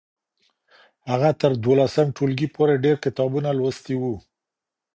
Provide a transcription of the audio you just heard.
هغه تر دولسم ټولګي پورې ډیر کتابونه لوستي وو.